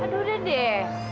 aduh udah deh